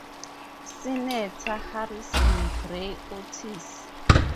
Senator Harrison Gray Otis.